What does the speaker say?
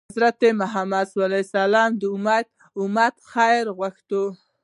حضرت محمد ﷺ د امت خیر غوښت.